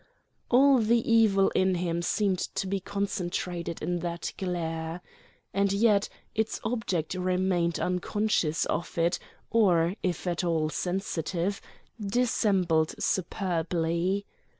All the evil in him seemed to be concentrated in that glare. And yet its object remained unconscious of it or, if at all sensitive, dissembled superbly.